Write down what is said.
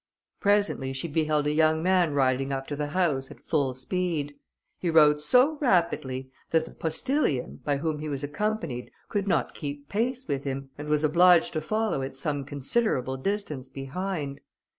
Presently she beheld a young man riding up to the house, at full speed. He rode so rapidly that the postilion, by whom he was accompanied, could not keep pace with him, and was obliged to follow at some considerable distance behind.